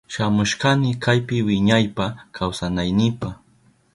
Shamushkani kaypi wiñaypa kawsanaynipa.